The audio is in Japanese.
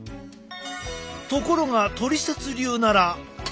ところがトリセツ流なら。